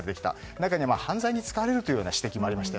中には犯罪に使われるという指摘もありました。